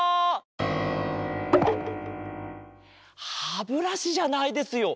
ハブラシじゃないですよ。